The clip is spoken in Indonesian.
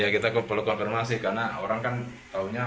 kita kebalik konfirmasi karena orang kan taunya